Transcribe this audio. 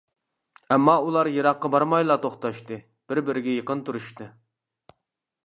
ئەمما ئۇلار يىراققا بارمايلا توختاشتى، بىر-بىرىگە يېقىن تۇرۇشتى.